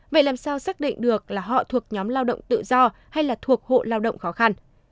vậy làm sao xác định được là họ thuộc nhóm lao động tự do hay là thuộc hộ lao động khó khăn